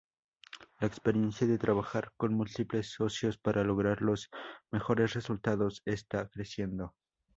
La experiencia de trabajar con múltiples socios para lograr los mejores resultados está creciendo.